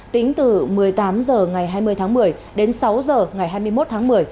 tính từ một mươi tám h ngày hai mươi tháng một mươi đến sáu h ngày hai mươi một tháng một mươi